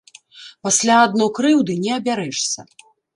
Пасля адно крыўды не абярэшся.